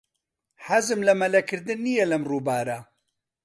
حەزم لە مەلەکردن نییە لەم ڕووبارە.